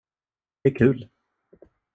Det är kul.